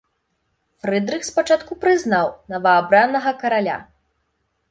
Фрыдрых спачатку прызнаў новаабранага караля.